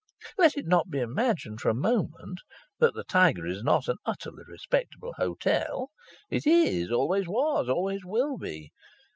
Let it not be imagined for a moment that the Tiger is not an utterly respectable hotel. It is, always was, always will be.